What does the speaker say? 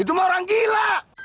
itu mah orang gila